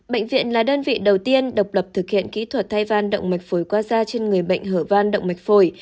bệnh viện là đơn vị đầu tiên độc lập thực hiện kỹ thuật thay van động mạch phổi qua da trên người bệnh hở van động mạch phổi